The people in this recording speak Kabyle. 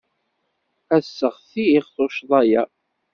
Ad sseɣtiɣ tuccḍa-ya.